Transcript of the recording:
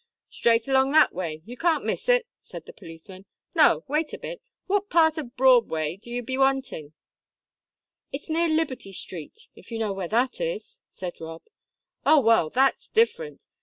"Straight along that way you can't miss it," said the policeman. "No, wait a bit. What part of Broadway do ye be wantin'?" "It's near Liberty Street, if you know where that is," said Rob. "Oh, well, that's different.